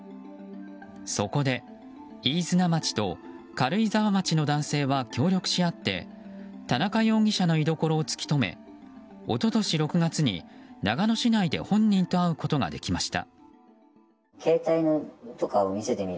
そこで飯綱町と軽井沢町の男性は協力し合って田中容疑者の居所を突き止め一昨年６月に長野市内で本人と会うことができました。